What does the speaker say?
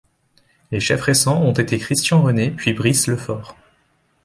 Les chefs récents ont été Christian René puis Brice Lefort.